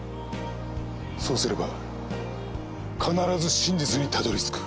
そうすれば必ず真実にたどり着く。